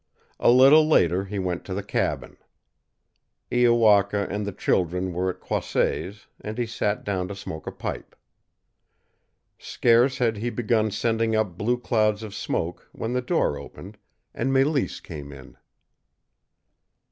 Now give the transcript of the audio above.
A little later he went to the cabin. Iowaka and the children were at Croisset's, and he sat down to smoke a pipe. Scarce had he begun sending up blue clouds of smoke when the door opened and Mélisse came in.